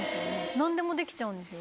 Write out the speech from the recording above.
何でもできちゃうんですよ。